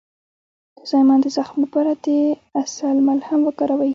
د زایمان د زخم لپاره د عسل ملهم وکاروئ